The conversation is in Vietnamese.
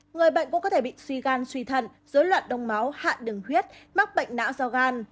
người bệnh cũng có thể bị suy gan suy thận dối loạn đông máu hạn đường huyết mắc bệnh não do gan